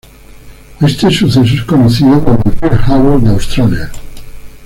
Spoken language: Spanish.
Este suceso es conocido como el "Pearl Harbor de Australia".